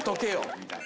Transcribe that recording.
みたいな。